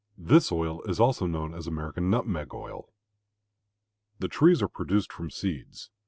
This oil is also known as American nutmeg oil. The trees are produced from seeds.